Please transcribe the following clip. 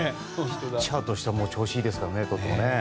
ピッチャーとしても調子いいですからね。